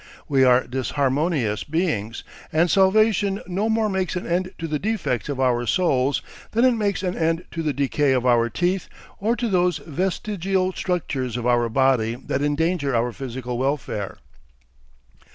We are disharmonious beings and salvation no more makes an end to the defects of our souls than it makes an end to the decay of our teeth or to those vestigial structures of our body that endanger our physical welfare.